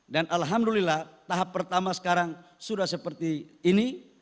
dan alhamdulillah tahap pertama sekarang sudah seperti ini